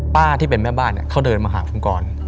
ที่เป็นแม่บ้านเขาเดินมาหาคุณกร